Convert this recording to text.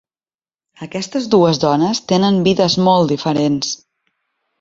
Aquestes dues dones tenen vides molt diferents.